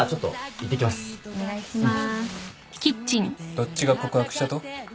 どっちが告白したと？